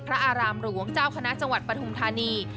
อารามหลวงเจ้าคณะจังหวัดปฐุมธานี